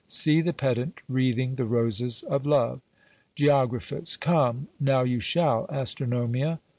See the pedant wreathing the roses of Love! "Geog. Come, now you shall, Astronomia.